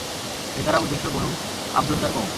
এর দ্বারা উদ্দেশ্য বনু আব্দুদ্দার কওম।